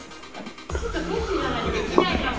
ちょっとフェチじゃないとできないかも。